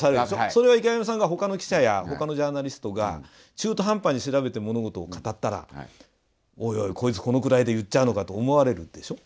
それは池上さんが他の記者や他のジャーナリストが中途半端に調べて物事を語ったら「おいおいこいつこのぐらいで言っちゃうのか」と思われるでしょ。